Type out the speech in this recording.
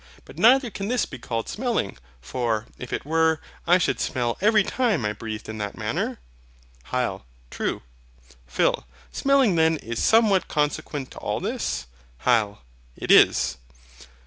But neither can this be called SMELLING: for, if it were, I should smell every time I breathed in that manner? HYL. True. PHIL. Smelling then is somewhat consequent to all this? HYL. It is.